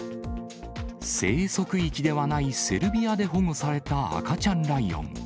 生息域ではないセルビアで保護された赤ちゃんライオン。